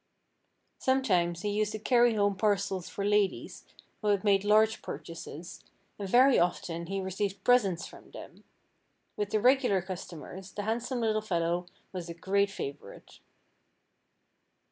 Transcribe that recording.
Sometimes he used to carry home parcels for ladies who had made large purchases, and very often he received presents from them. With the regular customers the handsome little fellow was a great favorite.